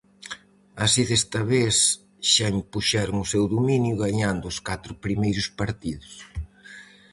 Así desta vez xa impuxeron o seu dominio gañando os catro primeiros partidos.